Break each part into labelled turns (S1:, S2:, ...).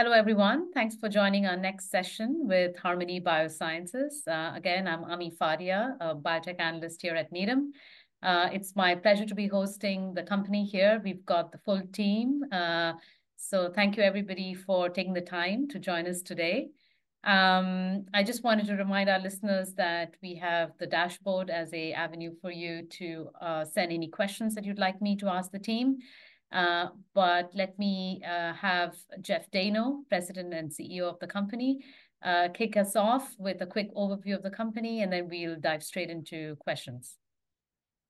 S1: Hello everyone, thanks for joining our next session with Harmony Biosciences. Again, I'm Ami Fadia, a biotech analyst here at Needham. It's my pleasure to be hosting the company here; we've got the full team, so thank you everybody for taking the time to join us today. I just wanted to remind our listeners that we have the dashboard as an avenue for you to send any questions that you'd like me to ask the team. But let me have Jeff Dayno, President and CEO of the company, kick us off with a quick overview of the company, and then we'll dive straight into questions.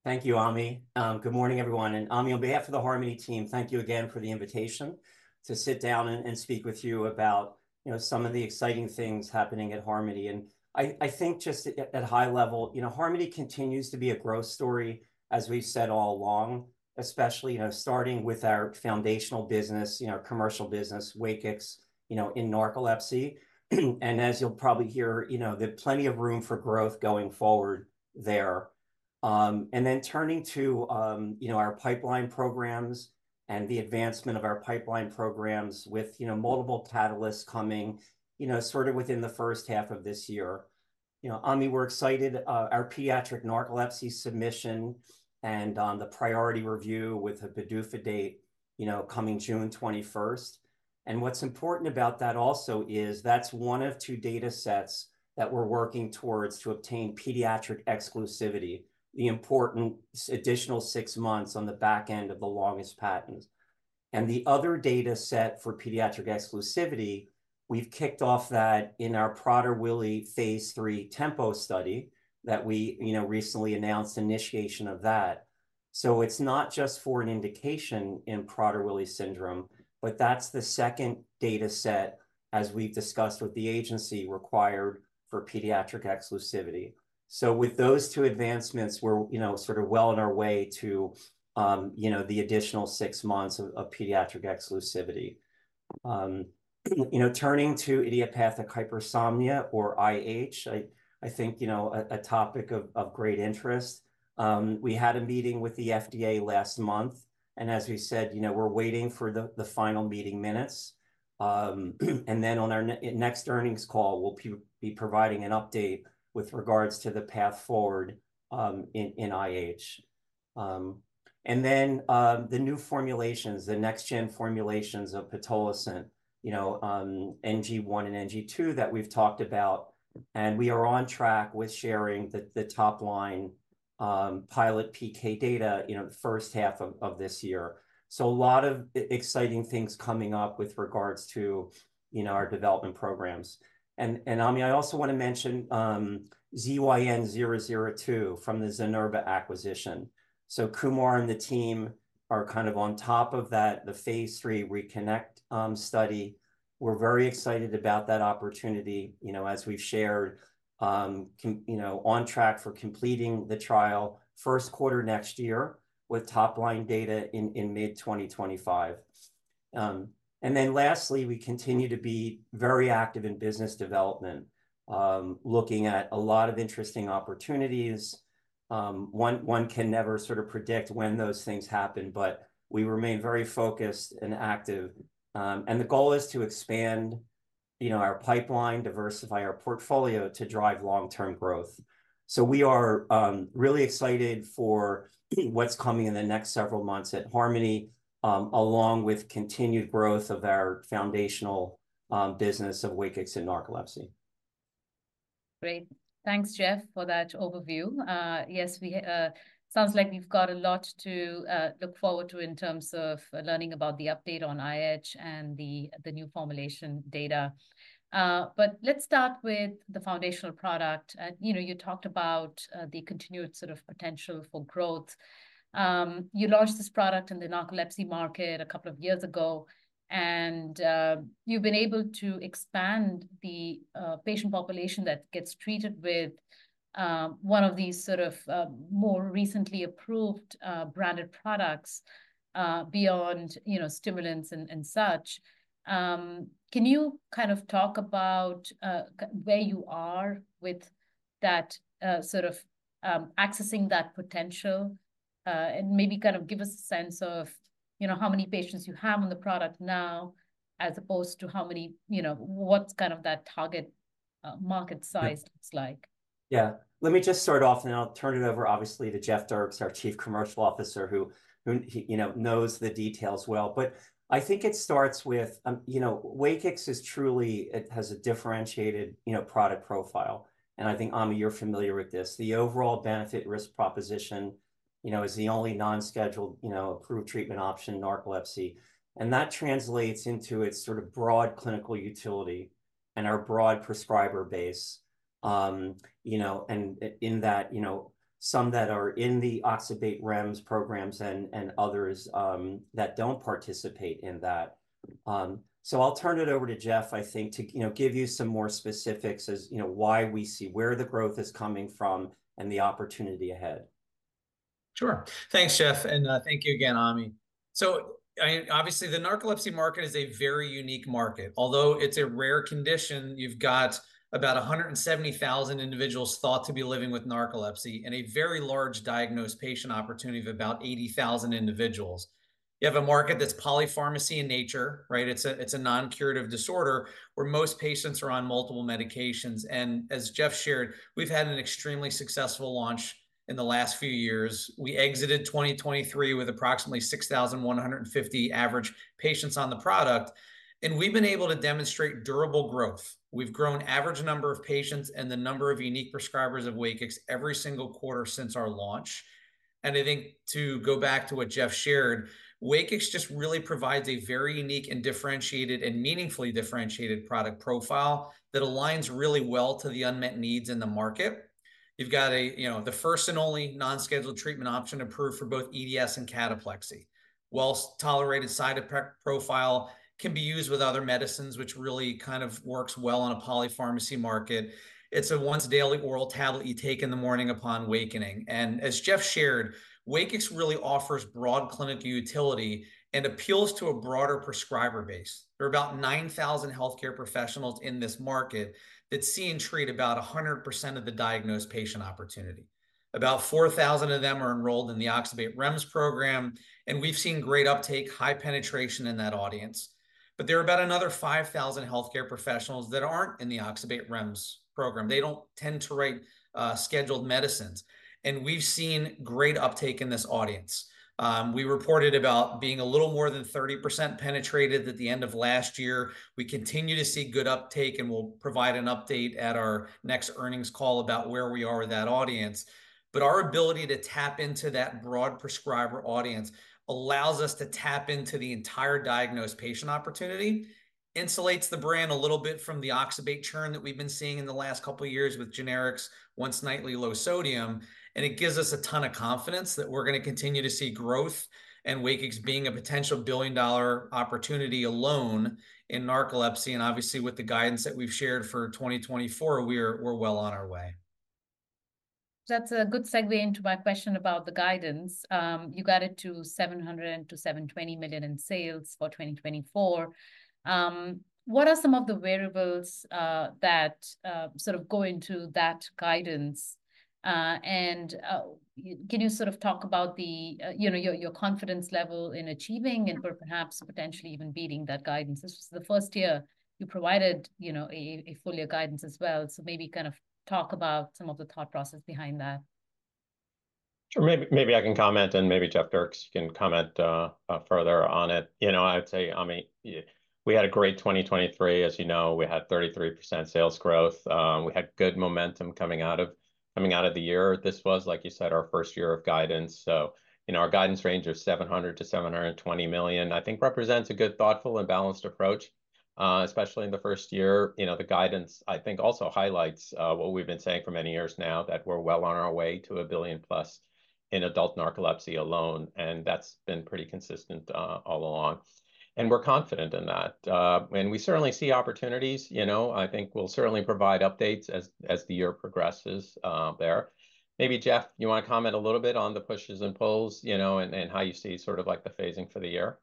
S2: Thank you, Ami. Good morning everyone, and Ami, on behalf of the Harmony team, thank you again for the invitation to sit down and speak with you about, you know, some of the exciting things happening at Harmony. I think just at high level, you know, Harmony continues to be a growth story, as we've said all along, especially, you know, starting with our foundational business, you know, commercial business, WAKIX, you know, in narcolepsy. As you'll probably hear, you know, there's plenty of room for growth going forward there. Then turning to, you know, our pipeline programs and the advancement of our pipeline programs with, you know, multiple catalysts coming, you know, sort of within the first half of this year. You know, Ami, we're excited, our pediatric narcolepsy submission and the priority review with a PDUFA date, you know, coming June 21st. What's important about that also is that's one of two data sets that we're working towards to obtain pediatric exclusivity, the important additional six months on the back end of the longest patents. The other data set for pediatric exclusivity, we've kicked off that in our Prader-Willi phase III TEMPO study that we, you know, recently announced initiation of that. So it's not just for an indication in Prader-Willi syndrome, but that's the second data set, as we've discussed with the agency, required for pediatric exclusivity. So with those two advancements, we're, you know, sort of well on our way to, you know, the additional six months of pediatric exclusivity. You know, turning to idiopathic hypersomnia, or IH, I think, you know, a topic of great interest. We had a meeting with the FDA last month, and as we said, you know, we're waiting for the final meeting minutes. And then on our next earnings call, we'll be providing an update with regards to the path forward, in IH. And then, the new formulations, the next-gen formulations of pitolisant, you know, NG1 and NG2 that we've talked about, and we are on track with sharing the topline pilot PK data, you know, the first half of this year. So a lot of exciting things coming up with regards to, you know, our development programs. And Ami, I also wanna mention, ZYN002 from the Zynerba acquisition. So Kumar and the team are kind of on top of that, the phase III RECONNECT study. We're very excited about that opportunity, you know, as we've shared, you know, on track for completing the trial first quarter next year with topline data in mid-2025. Then lastly, we continue to be very active in business development, looking at a lot of interesting opportunities. One can never sort of predict when those things happen, but we remain very focused and active. The goal is to expand, you know, our pipeline, diversify our portfolio to drive long-term growth. So we are really excited for what's coming in the next several months at Harmony, along with continued growth of our foundational business of WAKIX and narcolepsy.
S1: Great. Thanks, Jeff, for that overview. Yes, sounds like we've got a lot to look forward to in terms of learning about the update on IH and the new formulation data. But let's start with the foundational product. You know, you talked about the continued sort of potential for growth. You launched this product in the narcolepsy market a couple of years ago, and you've been able to expand the patient population that gets treated with one of these sort of more recently approved branded products, beyond, you know, stimulants and such. Can you kind of talk about where you are with that, sort of accessing that potential, and maybe kind of give us a sense of, you know, how many patients you have on the product now, as opposed to how many, you know, what's kind of that target market size looks like?
S2: Yeah. Let me just start off, and I'll turn it over, obviously, to Jeff Dierks, our Chief Commercial Officer, who you know, knows the details well. But I think it starts with, you know, WAKIX is truly it has a differentiated, you know, product profile. And I think, Ami, you're familiar with this. The overall benefit-risk proposition, you know, is the only non-scheduled, you know, approved treatment option, narcolepsy. And that translates into its sort of broad clinical utility and our broad prescriber base, you know, and in that, you know, some that are in the oxybate REMS programs and others that don't participate in that. So I'll turn it over to Jeff, I think, to you know, give you some more specifics as you know, why we see where the growth is coming from and the opportunity ahead.
S3: Sure. Thanks, Jeff. And, thank you again, Ami. So I mean, obviously, the narcolepsy market is a very unique market. Although it's a rare condition, you've got about 170,000 individuals thought to be living with narcolepsy and a very large diagnosed patient opportunity of about 80,000 individuals. You have a market that's polypharmacy in nature, right? It's a non-curative disorder where most patients are on multiple medications. And as Jeff shared, we've had an extremely successful launch in the last few years. We exited 2023 with approximately 6,150 average patients on the product, and we've been able to demonstrate durable growth. We've grown average number of patients and the number of unique prescribers of WAKIX every single quarter since our launch. And I think to go back to what Jeff shared, WAKIX just really provides a very unique and differentiated and meaningfully differentiated product profile that aligns really well to the unmet needs in the market. You've got a, you know, the first and only non-scheduled treatment option approved for both EDS and cataplexy. Well-tolerated side effect profile can be used with other medicines, which really kind of works well on a polypharmacy market. It's a once-daily oral tablet you take in the morning upon wakening. And as Jeff shared, WAKIX really offers broad clinical utility and appeals to a broader prescriber base. There are about 9,000 healthcare professionals in this market that see and treat about 100% of the diagnosed patient opportunity. About 4,000 of them are enrolled in the oxybate REMS program, and we've seen great uptake, high penetration in that audience. But there are about another 5,000 healthcare professionals that aren't in the oxybate REMS program. They don't tend to write scheduled medicines. And we've seen great uptake in this audience. We reported about being a little more than 30% penetrated at the end of last year. We continue to see good uptake, and we'll provide an update at our next earnings call about where we are with that audience. But our ability to tap into that broad prescriber audience allows us to tap into the entire diagnosed patient opportunity, insulates the brand a little bit from the oxybate churn that we've been seeing in the last couple of years with generics, once-nightly low sodium, and it gives us a ton of confidence that we're gonna continue to see growth and WAKIX being a potential billion-dollar opportunity alone in narcolepsy. Obviously, with the guidance that we've shared for 2024, we're well on our way.
S1: That's a good segue into my question about the guidance. You got it to $700-$720 million in sales for 2024. What are some of the variables that sort of go into that guidance? And you can sort of talk about the, you know, your confidence level in achieving and perhaps potentially even beating that guidance? This was the first year you provided, you know, a full-year guidance as well. So maybe kind of talk about some of the thought process behind that.
S4: Sure. Maybe, maybe I can comment, and maybe Jeffrey Dierks, you can comment further on it. You know, I would say, Ami, why we had a great 2023. As you know, we had 33% sales growth. We had good momentum coming out of coming out of the year. This was, like you said, our first year of guidance. So, you know, our guidance range of $700 million-$720 million, I think, represents a good, thoughtful, and balanced approach, especially in the first year. You know, the guidance, I think, also highlights what we've been saying for many years now, that we're well on our way to $1 billion-plus in adult narcolepsy alone. And that's been pretty consistent, all along. And we're confident in that. And we certainly see opportunities. You know, I think we'll certainly provide updates as, as the year progresses, there. Maybe, Jeff, you wanna comment a little bit on the pushes and pulls, you know, and, and how you see sort of like the phasing for the year?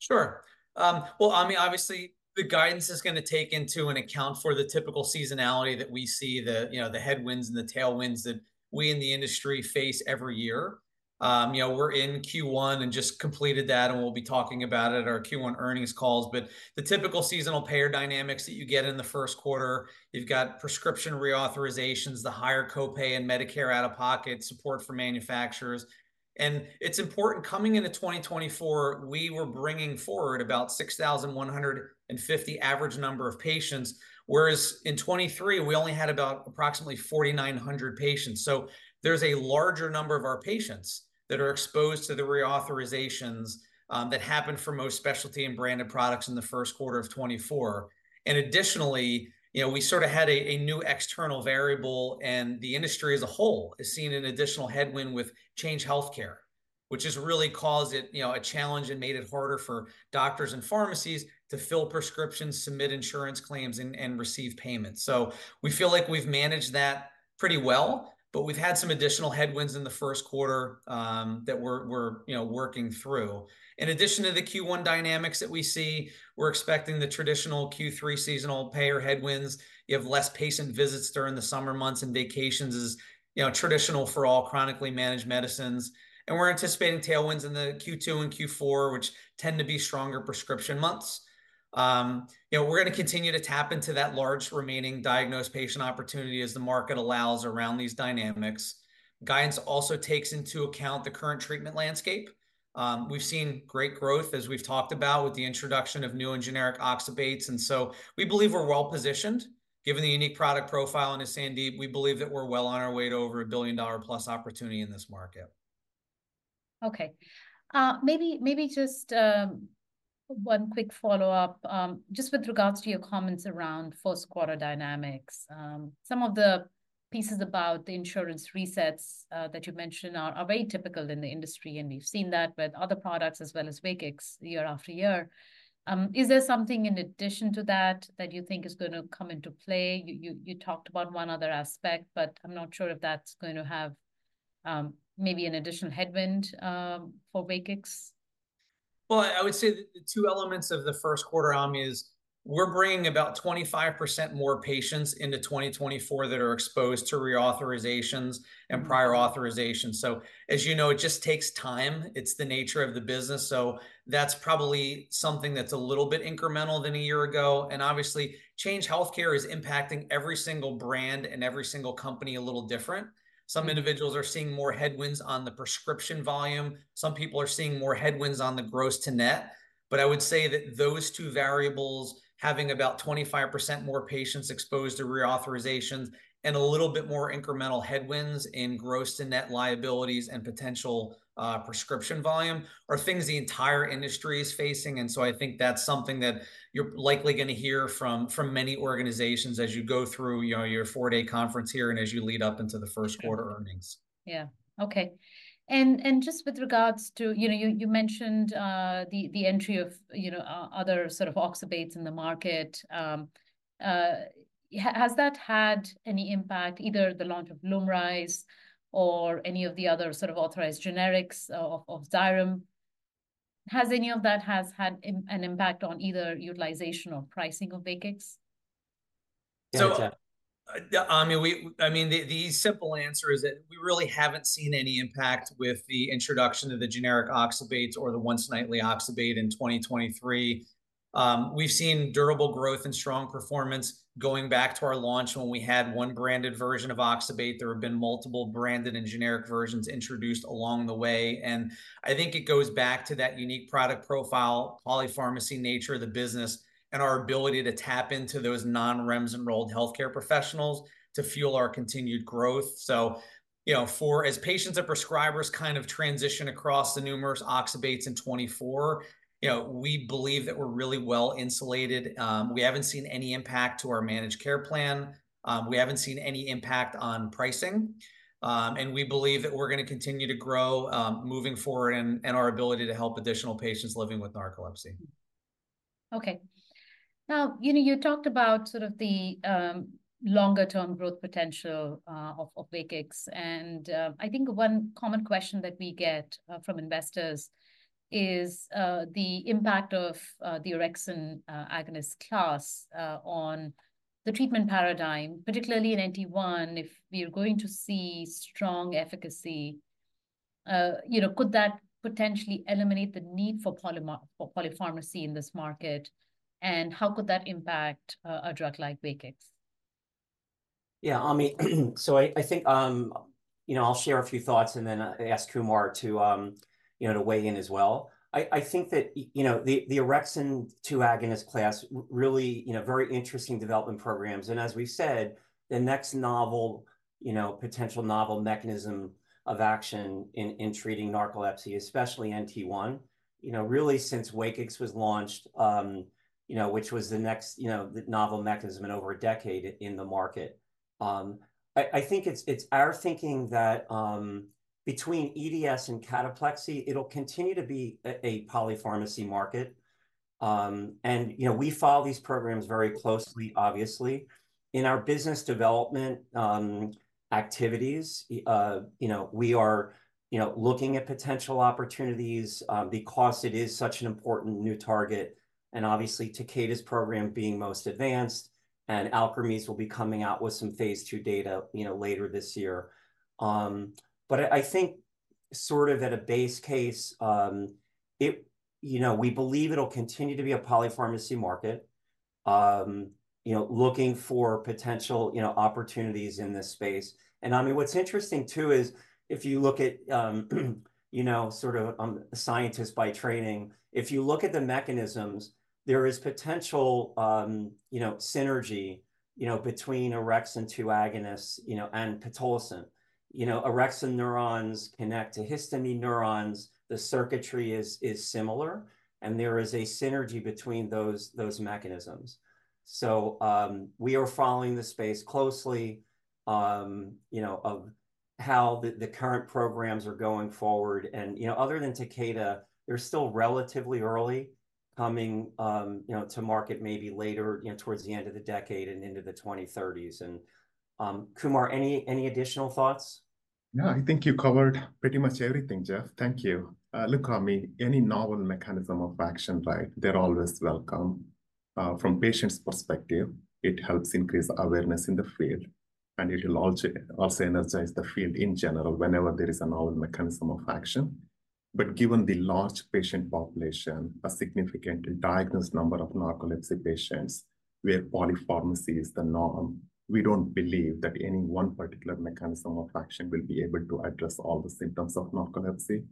S3: Sure. Well, Ami, obviously, the guidance is gonna take into an account for the typical seasonality that we see, the, you know, the headwinds and the tailwinds that we in the industry face every year. You know, we're in Q1 and just completed that, and we'll be talking about it at our Q1 earnings calls. But the typical seasonal payer dynamics that you get in the first quarter, you've got prescription reauthorizations, the higher copay in Medicare out-of-pocket, support for manufacturers. And it's important coming into 2024, we were bringing forward about 6,150 average number of patients, whereas in 2023, we only had about approximately 4,900 patients. So there's a larger number of our patients that are exposed to the reauthorizations, that happened for most specialty and branded products in the first quarter of 2024. And additionally, you know, we sort of had a new external variable, and the industry as a whole is seeing an additional headwind with Change Healthcare, which has really caused it, you know, a challenge and made it harder for doctors and pharmacies to fill prescriptions, submit insurance claims, and receive payments. So we feel like we've managed that pretty well, but we've had some additional headwinds in the first quarter, that we're, you know, working through. In addition to the Q1 dynamics that we see, we're expecting the traditional Q3 seasonal payer headwinds. You have less patient visits during the summer months and vacations is, you know, traditional for all chronically managed medicines. We're anticipating tailwinds in the Q2 and Q4, which tend to be stronger prescription months, you know, we're gonna continue to tap into that large remaining diagnosed patient opportunity as the market allows around these dynamics. Guidance also takes into account the current treatment landscape. We've seen great growth, as we've talked about, with the introduction of new and generic oxybates. So we believe we're well positioned. Given the unique product profile in narcolepsy, we believe that we're well on our way to over a billion-dollar-plus opportunity in this market.
S1: Okay. Maybe just one quick follow-up, just with regards to your comments around first-quarter dynamics. Some of the pieces about the insurance resets that you mentioned are very typical in the industry, and we've seen that with other products as well as Wakix year after year. Is there something in addition to that that you think is gonna come into play? You talked about one other aspect, but I'm not sure if that's gonna have maybe an additional headwind for Wakix.
S3: Well, I would say the two elements of the first quarter, Ami, is we're bringing about 25% more patients into 2024 that are exposed to reauthorizations and prior authorizations. So as you know, it just takes time. It's the nature of the business. So that's probably something that's a little bit incremental than a year ago. And obviously, Change Healthcare is impacting every single brand and every single company a little different. Some individuals are seeing more headwinds on the prescription volume. Some people are seeing more headwinds on the gross to net. But I would say that those two variables, having about 25% more patients exposed to reauthorizations and a little bit more incremental headwinds in gross to net liabilities and potential prescription volume, are things the entire industry is facing. So I think that's something that you're likely gonna hear from many organizations as you go through, you know, your four-day conference here and as you lead up into the first quarter earnings.
S1: Yeah. Okay. And just with regards to, you know, you mentioned the entry of, you know, other sort of oxybates in the market. Has that had any impact, either the launch of LUMRYZ or any of the other sort of authorized generics of Xyrem? Has any of that had an impact on either utilization or pricing of WAKIX?
S3: So, Ami, I mean, the simple answer is that we really haven't seen any impact with the introduction of the generic oxybates or the once-nightly oxybate in 2023. We've seen durable growth and strong performance going back to our launch. When we had one branded version of oxybate, there have been multiple branded and generic versions introduced along the way. And I think it goes back to that unique product profile, polypharmacy nature of the business, and our ability to tap into those non-REMS-enrolled healthcare professionals to fuel our continued growth. So, you know, for as patients and prescribers kind of transition across the numerous oxybates in 2024, you know, we believe that we're really well insulated. We haven't seen any impact to our managed care plan. We haven't seen any impact on pricing. We believe that we're gonna continue to grow, moving forward, and our ability to help additional patients living with narcolepsy.
S1: Okay. Now, you know, you talked about sort of the longer-term growth potential of WAKIX. And I think one common question that we get from investors is the impact of the orexin agonist class on the treatment paradigm, particularly in NT1, if we are going to see strong efficacy. You know, could that potentially eliminate the need for polypharmacy in this market? And how could that impact a drug like WAKIX?
S2: Yeah, Ami. So I think, you know, I'll share a few thoughts, and then I ask Kumar to, you know, to weigh in as well. I think that, you know, the orexin 2 agonist class really, you know, very interesting development programs. And as we've said, the next novel, you know, potential novel mechanism of action in treating narcolepsy, especially NT1, you know, really since WAKIX was launched, you know, which was the next, you know, the novel mechanism in over a decade in the market. I think it's our thinking that, between EDS and cataplexy, it'll continue to be a polypharmacy market, and, you know, we follow these programs very closely, obviously. In our business development activities, you know, we are, you know, looking at potential opportunities, because it is such an important new target. Obviously, Takeda's program being most advanced, and Alkermes will be coming out with some phase II data, you know, later this year. But I, I think sort of at a base case, it, you know, we believe it'll continue to be a polypharmacy market, you know, looking for potential, you know, opportunities in this space. And, Ami, what's interesting too is if you look at, you know, sort of, a scientist by training, if you look at the mechanisms, there is potential, you know, synergy, you know, between orexin 2 agonists, you know, and pitolisant. You know, orexin neurons connect to histamine neurons. The circuitry is, is similar, and there is a synergy between those, those mechanisms. So, we are following the space closely, you know, of how the, the current programs are going forward. You know, other than Takeda, they're still relatively early coming, you know, to market maybe later, you know, towards the end of the decade and into the 2030s. Kumar, any, any additional thoughts?
S5: No, I think you covered pretty much everything, Jeff. Thank you. Look, Ami, any novel mechanism of action, right, they're always welcome. From patients' perspective, it helps increase awareness in the field, and it'll also energize the field in general whenever there is a novel mechanism of action. But given the large patient population, a significant diagnosed number of narcolepsy patients, where polypharmacy is the norm, we don't believe that any one particular mechanism of action will be able to address all the symptoms of narcolepsy.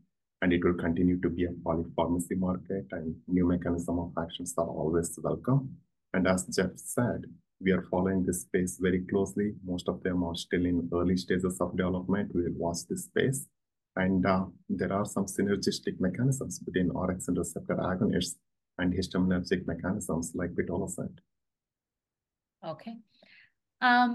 S5: And it will continue to be a polypharmacy market, and new mechanisms of actions are always welcome. And as Jeff said, we are following this space very closely. Most of them are still in early stages of development. We'll watch this space. And, there are some synergistic mechanisms between orexin receptor agonists and histaminergic mechanisms like pitolisant.
S1: Okay.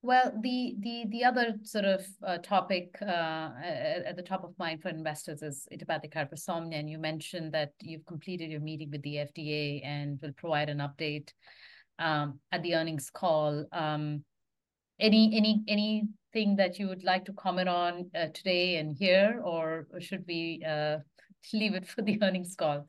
S1: Well, the other sort of topic at the top of mind for investors is idiopathic hypersomnia. You mentioned that you've completed your meeting with the FDA and will provide an update at the earnings call. Anything that you would like to comment on today and here, or should we leave it for the earnings call?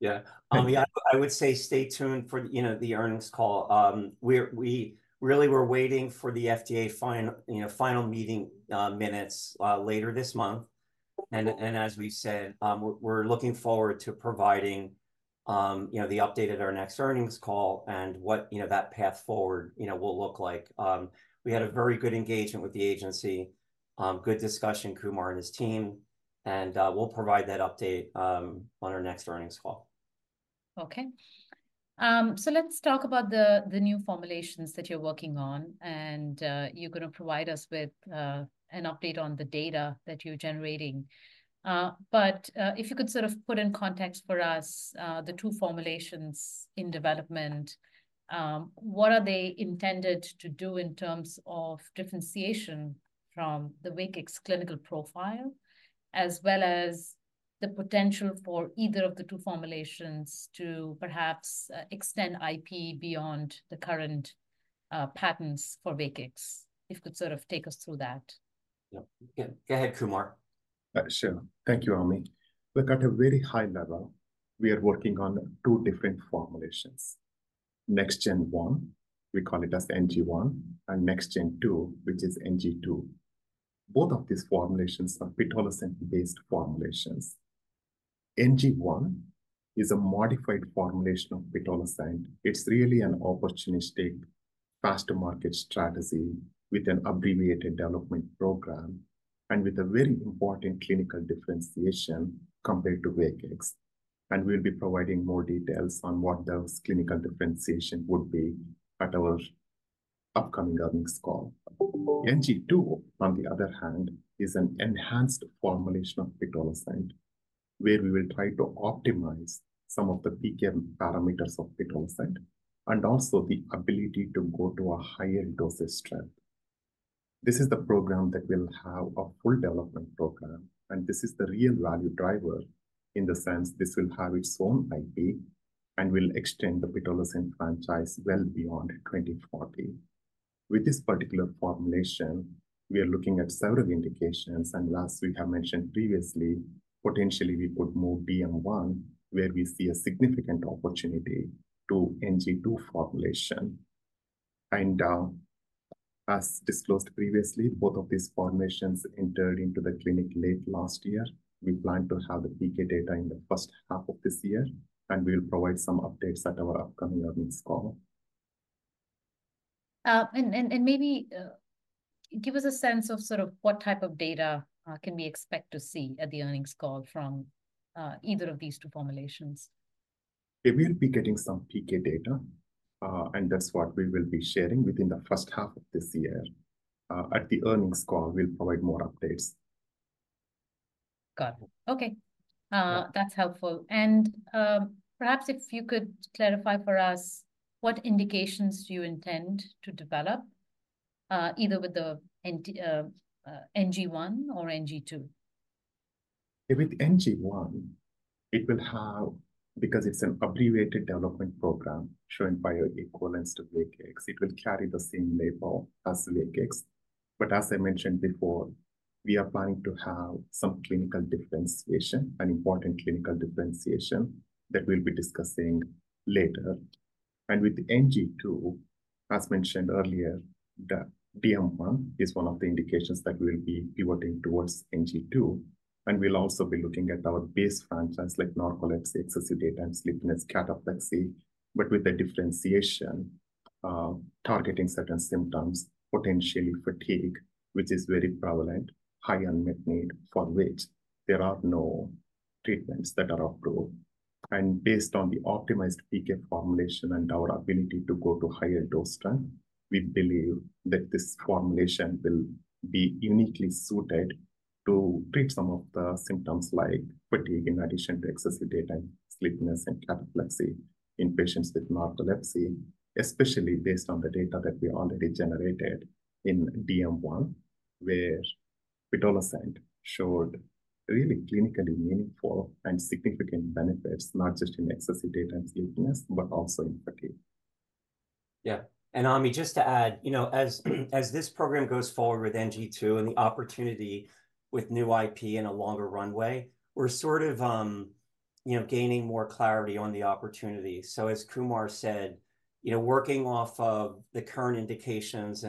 S2: Yeah. Ami, I would say stay tuned for, you know, the earnings call. We're, we really were waiting for the FDA final, you know, final meeting, minutes, later this month. And as we've said, we're looking forward to providing, you know, the update at our next earnings call and what, you know, that path forward, you know, will look like. We had a very good engagement with the agency, good discussion, Kumar and his team, and we'll provide that update on our next earnings call.
S1: Okay. Let's talk about the new formulations that you're working on, and you're gonna provide us with an update on the data that you're generating. If you could sort of put in context for us the two formulations in development, what are they intended to do in terms of differentiation from the WAKIX clinical profile, as well as the potential for either of the two formulations to perhaps extend IP beyond the current patents for WAKIX? If you could sort of take us through that.
S2: Yeah. Go ahead, Kumar.
S5: Sure. Thank you, Ami. Look, at a very high level, we are working on two different formulations. NextGen1, we call it as NG1, and NextGen2, which is NG2. Both of these formulations are pitolisant-based formulations. NG1 is a modified formulation of pitolisant. It's really an opportunistic fast-to-market strategy with an abbreviated development program and with a very important clinical differentiation compared to WAKIX. We'll be providing more details on what those clinical differentiation would be at our upcoming earnings call. NG2, on the other hand, is an enhanced formulation of pitolisant, where we will try to optimize some of the PK parameters of pitolisant and also the ability to go to a higher dosage strength. This is the program that will have a full development program, and this is the real value driver in the sense this will have its own IP and will extend the pitolisant franchise well beyond 2040. With this particular formulation, we are looking at several indications. As we have mentioned previously, potentially we could move DM1, where we see a significant opportunity to NG2 formulation. As disclosed previously, both of these formulations entered into the clinic late last year. We plan to have the PK data in the first half of this year, and we'll provide some updates at our upcoming earnings call.
S1: Maybe give us a sense of sort of what type of data can we expect to see at the earnings call from either of these two formulations?
S5: Yeah, we'll be getting some PK data, and that's what we will be sharing within the first half of this year. At the earnings call, we'll provide more updates.
S1: Got it. Okay. That's helpful. Perhaps if you could clarify for us what indications do you intend to develop, either with the NT, NG1 or NG2?
S5: Yeah, with NG1, it will have because it's an abbreviated development program shown by our equivalents to WAKIX, it will carry the same label as WAKIX. But as I mentioned before, we are planning to have some clinical differentiation, an important clinical differentiation that we'll be discussing later. And with NG2, as mentioned earlier, the DM1 is one of the indications that we'll be pivoting towards NG2. And we'll also be looking at our base franchise like narcolepsy, excessive daytime sleepiness, cataplexy, but with the differentiation, targeting certain symptoms, potentially fatigue, which is very prevalent, high unmet need for which there are no treatments that are approved. Based on the optimized PK formulation and our ability to go to higher dose strength, we believe that this formulation will be uniquely suited to treat some of the symptoms like fatigue in addition to excessive daytime sleepiness and cataplexy in patients with narcolepsy, especially based on the data that we already generated in DM1, where pitolisant showed really clinically meaningful and significant benefits, not just in excessive daytime sleepiness but also in fatigue.
S2: Yeah. And, Ami, just to add, you know, as this program goes forward with NG2 and the opportunity with new IP and a longer runway, we're sort of, you know, gaining more clarity on the opportunity. So as Kumar said, you know, working off of the current indications,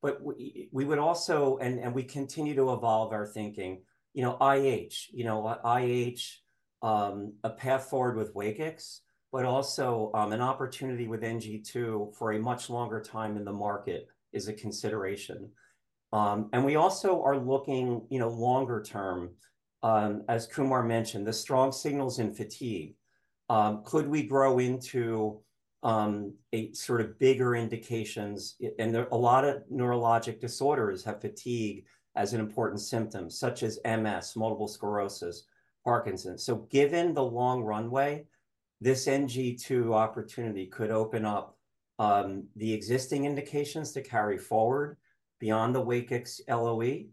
S2: but we would also, and we continue to evolve our thinking, you know, IH, a path forward with WAKIX, but also an opportunity with NG2 for a much longer time in the market is a consideration. And we also are looking, you know, longer term, as Kumar mentioned, the strong signals in fatigue. Could we grow into a sort of bigger indications? And there are a lot of neurologic disorders have fatigue as an important symptom, such as MS, multiple sclerosis, Parkinson's. So, given the long runway, this NG2 opportunity could open up the existing indications to carry forward beyond the WAKIX LOE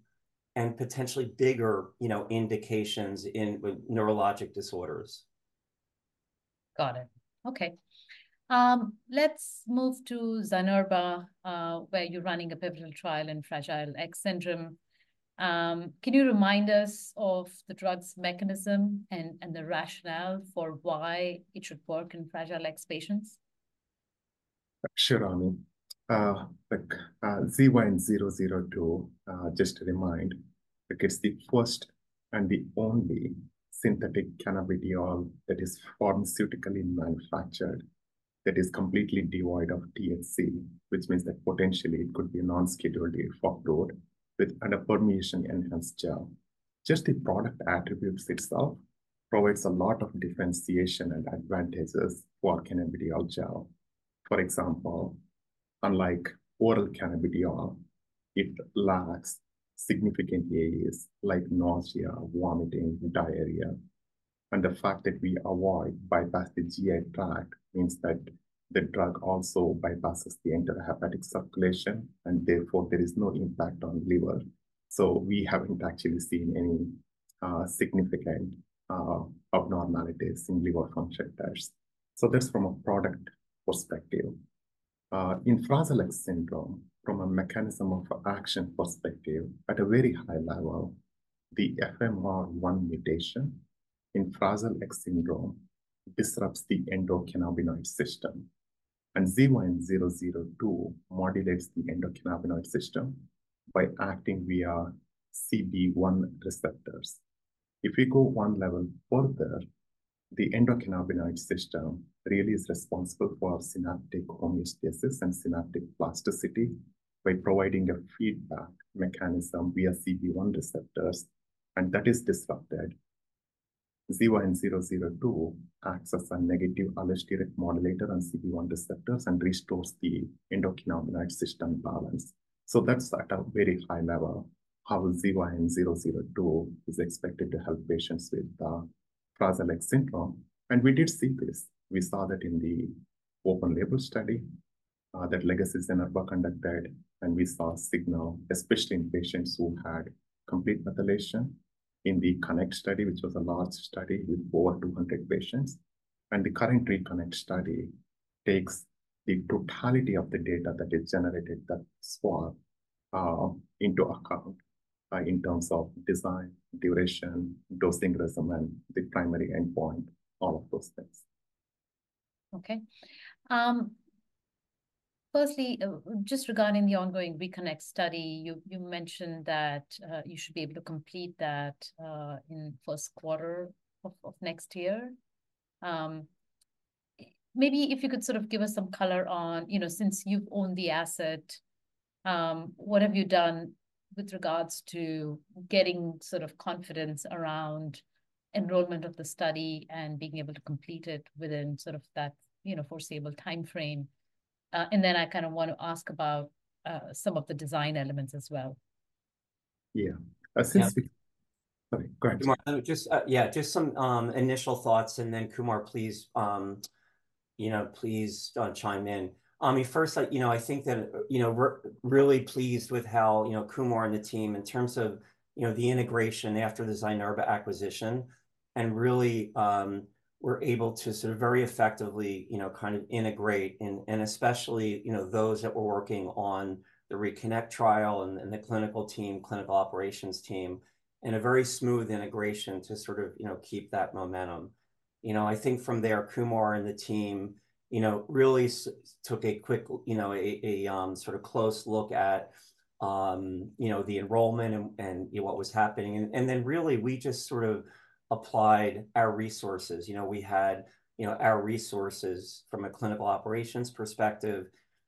S2: and potentially bigger, you know, indications in with neurologic disorders.
S1: Got it. Okay. Let's move to Zynerba, where you're running a Fragile X syndrome. can you remind us of the drug's mechanism and, and the rationale for why it should work in Fragile X patients?
S5: Sure, Ami. Look, ZYN002, just a reminder, it's the first and the only synthetic cannabidiol that is pharmaceutically manufactured that is completely devoid of THC, which means that potentially it could be a non-scheduled drug with an absorption-enhanced gel. Just the product attributes itself provides a lot of differentiation and advantages for cannabidiol gel. For example, unlike oral cannabidiol, it lacks significant AEs like nausea, vomiting, diarrhea. And the fact that it avoids the GI tract means that the drug also bypasses the entire hepatic circulation, and therefore there is no impact on liver. So we haven't actually seen any significant abnormalities in liver function tests. So that's from a Fragile X syndrome, from a mechanism of action perspective, at a very high level, the Fragile X syndrome disrupts the endocannabinoid system. ZYN002 modulates the endocannabinoid system by acting via CB1 receptors. If we go one level further, the endocannabinoid system really is responsible for synaptic homeostasis and synaptic plasticity by providing a feedback mechanism via CB1 receptors, and that is disrupted. ZYN002 acts as a negative allosteric modulator on CB1 receptors and restores the endocannabinoid system balance. So that's at a very high level how ZYN002 is expected to help Fragile X syndrome. we did see this. We saw that in the open label study, that legacy Zynerba conducted, and we saw signal, especially in patients who had complete methylation in the RECONNECT study, which was a large study with over 200 patients. The current RECONNECT study takes the totality of the data that is generated that's what, into account, in terms of design, duration, dosing rhythm, and the primary endpoint, all of those things.
S1: Okay. Firstly, just regarding the ongoing RECONNECT study, you mentioned that you should be able to complete that in the first quarter of next year. Maybe if you could sort of give us some color on, you know, since you've owned the asset, what have you done with regards to getting sort of confidence around enrollment of the study and being able to complete it within sort of that, you know, foreseeable timeframe? And then I kind of wanna ask about some of the design elements as well.
S5: Yeah. Go ahead.
S2: Kumar, just yeah, just some initial thoughts. And then, Kumar, please, you know, please chime in. Ami, first, I you know, I think that, you know, we're really pleased with how, you know, Kumar and the team in terms of, you know, the integration after the Zynerba acquisition and really were able to sort of very effectively, you know, kind of integrate in, and especially, you know, those that were working on the RECONNECT trial and the clinical team, clinical operations team, in a very smooth integration to sort of, you know, keep that momentum. You know, I think from there, Kumar and the team, you know, really took a quick, you know, a sort of close look at, you know, the enrollment and, you know, what was happening. And then really we just sort of applied our resources. You know, we had, you know, our resources from a clinical operations perspective,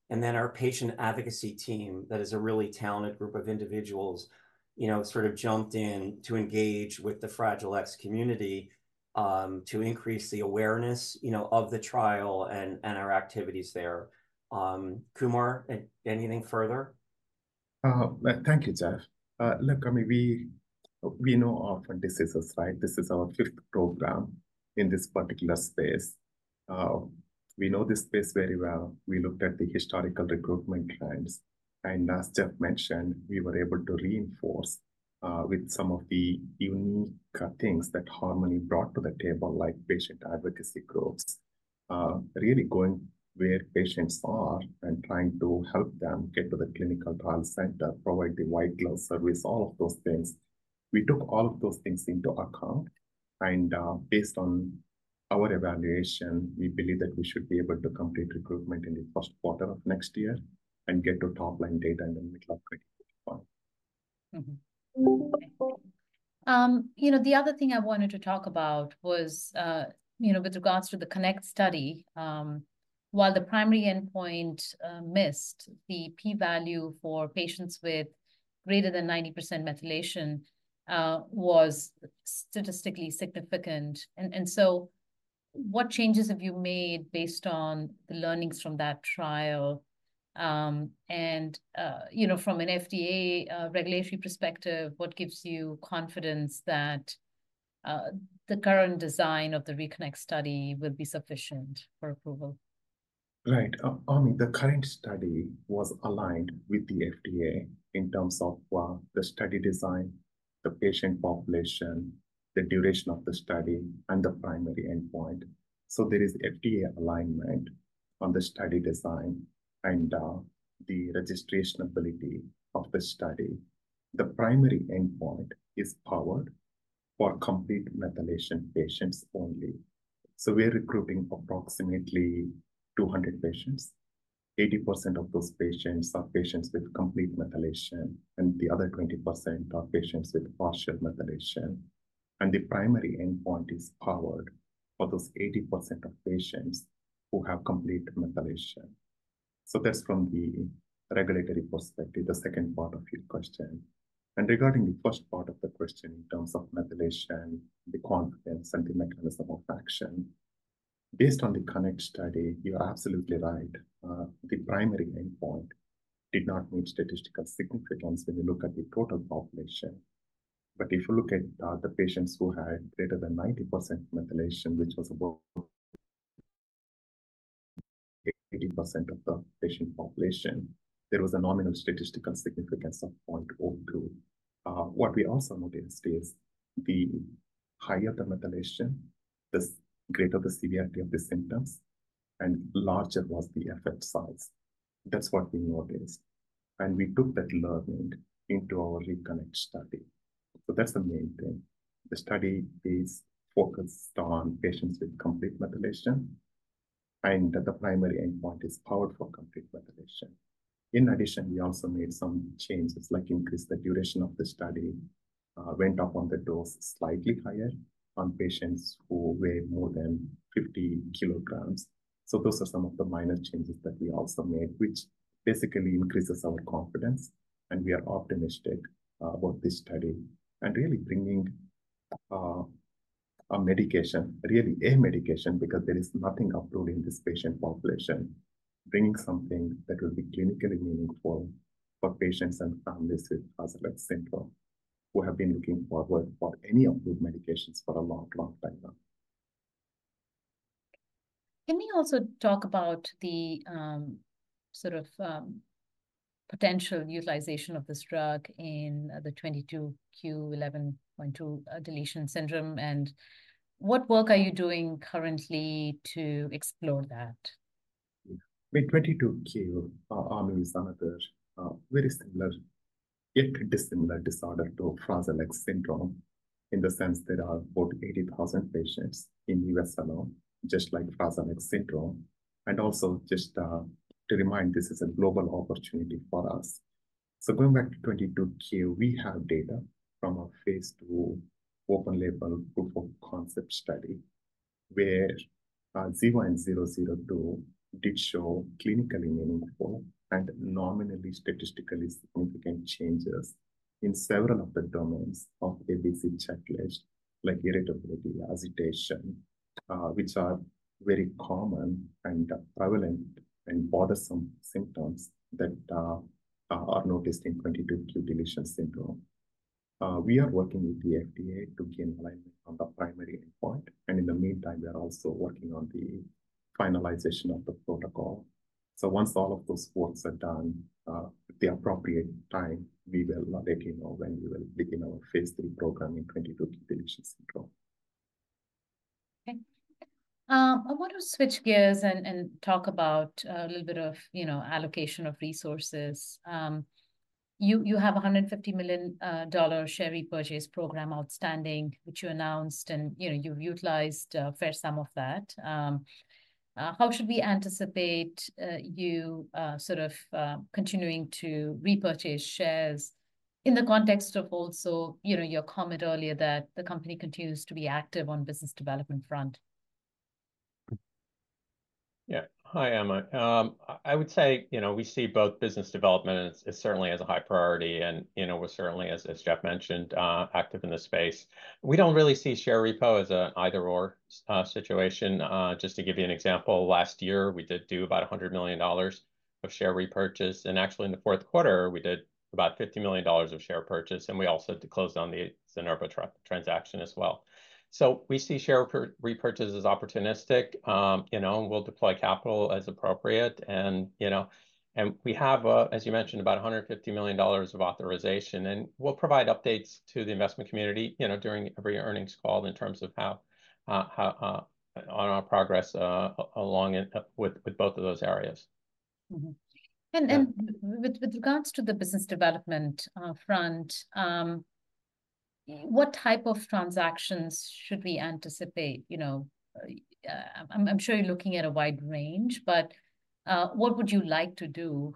S2: and then our patient advocacy team that is a really talented group of individuals, you know, sort of jumped in to engage with the Fragile X community, to increase the awareness, you know, of the trial and our activities there. Kumar, anything further?
S5: Thank you, Jeff. Look, I mean, we know our frontiers, right? This is our fifth program in this particular space. We know this space very well. We looked at the historical recruitment trends. As Jeff mentioned, we were able to reinforce, with some of the unique things that Harmony brought to the table, like patient advocacy groups, really going where patients are and trying to help them get to the clinical trial center, provide the white glove service, all of those things. We took all of those things into account. Based on our evaluation, we believe that we should be able to complete recruitment in the first quarter of next year and get to top-line data in the middle of 2025.
S1: Thank you. You know, the other thing I wanted to talk about was, you know, with regards to the CONNECT study, while the primary endpoint missed, the p-value for patients with greater than 90% methylation was statistically significant. And so what changes have you made based on the learnings from that trial? And, you know, from an FDA regulatory perspective, what gives you confidence that the current design of the RECONNECT study will be sufficient for approval?
S5: Right. Ami, the current study was aligned with the FDA in terms of, well, the study design, the patient population, the duration of the study, and the primary endpoint. So there is FDA alignment on the study design and, the registration ability of the study. The primary endpoint is powered for complete methylation patients only. So we are recruiting approximately 200 patients. 80% of those patients are patients with complete methylation, and the other 20% are patients with partial methylation. And the primary endpoint is powered for those 80% of patients who have complete methylation. So that's from the regulatory perspective, the second part of your question. And regarding the first part of the question in terms of methylation, the confidence, and the mechanism of action, based on the CONNECT study, you are absolutely right. The primary endpoint did not meet statistical significance when you look at the total population. But if you look at the patients who had greater than 90% methylation, which was above 80% of the patient population, there was a nominal statistical significance of 0.02. What we also noticed is the higher the methylation, the greater the severity of the symptoms, and larger was the effect size. That's what we noticed. And we took that learning into our RECONNECT study. So that's the main thing. The study is focused on patients with complete methylation, and the primary endpoint is powered for complete methylation. In addition, we also made some changes like increased the duration of the study, went up on the dose slightly higher on patients who weigh more than 50 kilograms. So those are some of the minor changes that we also made, which basically increases our confidence. We are optimistic about this study and really bringing a medication, really a medication, because there is nothing approved in this patient population, bringing something that will be clinically meaningful for patients Fragile X syndrome who have been looking forward for any approved medications for a long, long time now.
S1: Can you also talk about the, sort of, potential utilization of this drug in the 22q11.2 deletion syndrome? And what work are you doing currently to explore that?
S5: Yeah. With 22q, and it's another, very similar, yet Fragile X syndrome in the sense there are about 80,000 patients in the U.S. Fragile X syndrome. also just, to remind, this is a global opportunity for us. So going back to 22q, we have data from a phase II open label proof of concept study where ZYN002 did show clinically meaningful and nominally statistically significant changes in several of the domains of ABC checklist, like irritability, agitation, which are very common and prevalent and bothersome symptoms that are noticed in 22q deletion syndrome. We are working with the FDA to gain alignment on the primary endpoint. In the meantime, we are also working on the finalization of the protocol. Once all of those works are done, at the appropriate time, we will let you know when we will begin our phase III program in 22q11.2 deletion syndrome.
S1: Okay. I wanna switch gears and talk about a little bit of, you know, allocation of resources. You have a $150 million share repurchase program outstanding, which you announced, and, you know, you've utilized a fair sum of that. How should we anticipate you sort of continuing to repurchase shares in the context of also, you know, your comment earlier that the company continues to be active on the business development front?
S4: Yeah. Hi, Ami. I would say, you know, we see both business development and it certainly is a high priority. And, you know, we're certainly, as Jeff mentioned, active in this space. We don't really see share repo as an either/or situation. Just to give you an example, last year we did do about $100 million of share repurchase. And actually, in the fourth quarter, we did about $50 million of share purchase. And we also closed on the Zynerba transaction as well. So we see share repurchase as opportunistic, you know, and we'll deploy capital as appropriate. And, you know, and we have, as you mentioned, about $150 million of authorization. And we'll provide updates to the investment community, you know, during every earnings call in terms of how on our progress along and with both of those areas.
S1: With regards to the business development front, what type of transactions should we anticipate? You know, I'm sure you're looking at a wide range, but what would you like to do?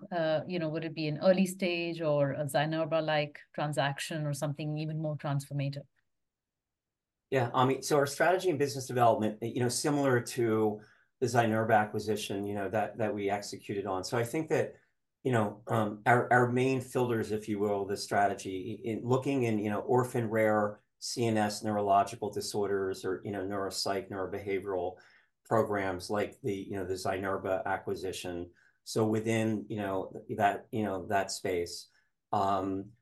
S1: You know, would it be an early stage or a Zynerba-like transaction or something even more transformative?
S2: Yeah, Ami. So our strategy in business development, you know, similar to the Zynerba acquisition, you know, that, that we executed on. So I think that, you know, our, our main filters, if you will, the strategy in looking in, you know, orphan rare CNS neurological disorders or, you know, neuropsych, neurobehavioral programs like the, you know, the Zynerba acquisition. So within, you know, that, you know, that space,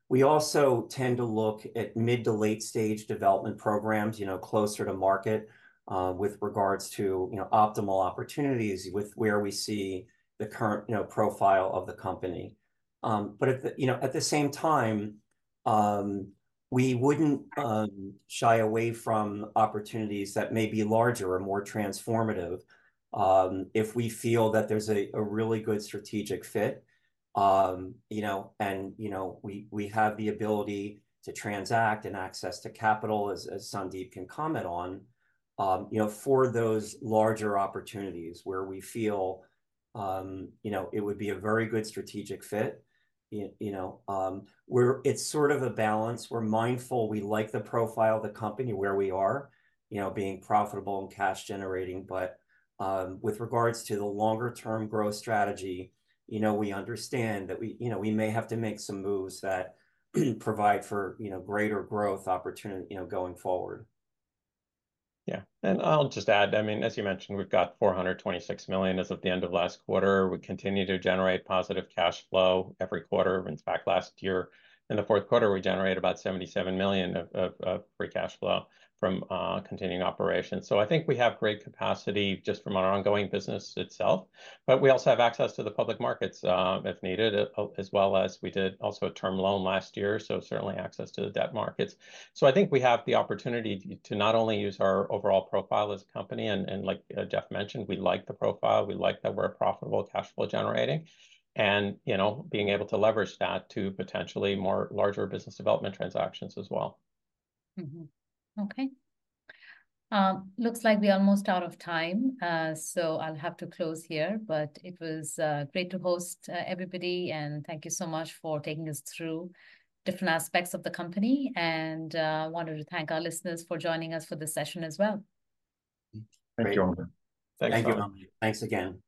S2: we also tend to look at mid to late stage development programs, you know, closer to market, with regards to, you know, optimal opportunities with where we see the current, you know, profile of the company. But at the, you know, at the same time, we wouldn't shy away from opportunities that may be larger or more transformative, if we feel that there's a, a really good strategic fit. You know, and you know, we have the ability to transact and access to capital, as Sandip can comment on, you know, for those larger opportunities where we feel, you know, it would be a very good strategic fit, you know, where it's sort of a balance. We're mindful. We like the profile of the company where we are, you know, being profitable and cash generating. But with regards to the longer-term growth strategy, you know, we understand that, you know, we may have to make some moves that provide for, you know, greater growth opportunity, you know, going forward.
S4: Yeah. And I'll just add. I mean, as you mentioned, we've got $426 million as of the end of last quarter. We continue to generate positive cash flow every quarter since back last year. In the fourth quarter, we generated about $77 million of free cash flow from continuing operations. So I think we have great capacity just from our ongoing business itself. But we also have access to the public markets, if needed, as well as we did also a term loan last year. So certainly access to the debt markets. So I think we have the opportunity to not only use our overall profile as a company. And like Jeff mentioned, we like the profile. We like that we're profitable, cash flow generating, and, you know, being able to leverage that to potentially more larger business development transactions as well.
S1: Okay. Looks like we're almost out of time. So I'll have to close here. But it was great to host everybody. And thank you so much for taking us through different aspects of the company. And wanted to thank our listeners for joining us for this session as well.
S3: Thank you, Ami. Thanks for having me.
S2: Thank you, Ami. Thanks again.